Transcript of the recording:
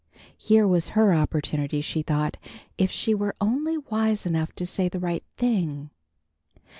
Here was her opportunity, she thought, if she were only wise enough to say the right thing!